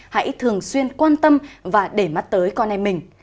hãy thường xuyên quan tâm và để mắt tới con em mình